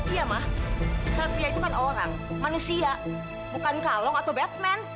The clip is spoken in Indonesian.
iya mah syafia itu kan orang manusia bukan kalong atau batman